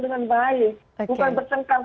dengan baik bukan bercengkak